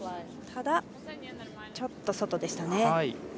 ただ、ちょっと外でしたね。